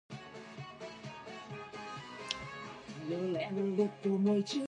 Separatist militants usually wear military uniform while carrying out their militant activities.